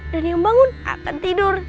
dan yang bangun akan tidur